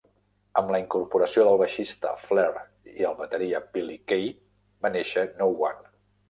Amb la incorporació del baixista Flare i el bateria Billy K, va néixer No One.